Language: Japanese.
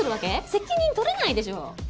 責任取れないでしょ。